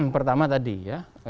pertama tadi ya